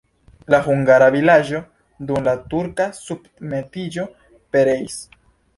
La hungara vilaĝo dum la turka submetiĝo pereis.